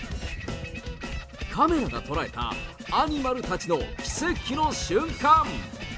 カメラが捉えたアニマルたちの奇跡の瞬間。